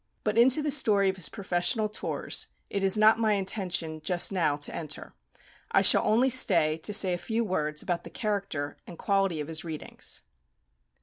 But into the story of his professional tours it is not my intention just now to enter. I shall only stay to say a few words about the character and quality of his readings.